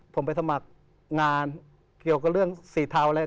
ผมไปสมัครงานเกี่ยวกับเรื่องสีเทาอะไร